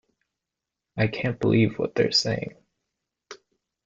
I can't believe what they're saying.